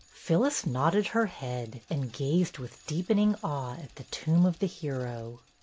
Phyllis nodded her head and gazed with deepening awe at the tomb of the hero.